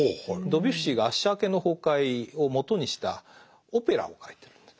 ドビュッシーが「アッシャー家の崩壊」をもとにしたオペラを書いてる。